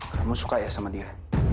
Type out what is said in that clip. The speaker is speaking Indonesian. kamu suka ya sama dia